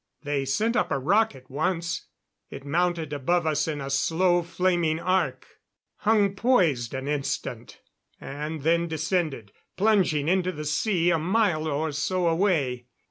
They sent up a rocket once; it mounted above us in a slow flaming arc, hung poised an instant, and then descended, plunging into the sea a mile or so away.